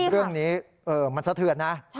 เรื่องนี้มันสะเทือนนะ